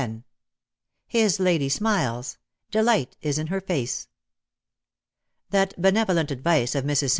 *^ HIS LADY SMILES ; DELIGHT IS IN HER YACe/' That benevolent advice of Mrs. St.